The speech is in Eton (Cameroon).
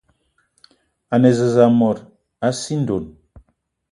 A ne zeze mot a sii ndonn